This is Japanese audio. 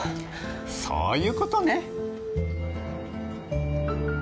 そういうことね。